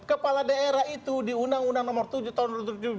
kepala daerah itu di undang undang nomor tujuh tahun dua ribu tujuh belas